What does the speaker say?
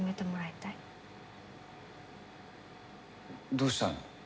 どうしたの？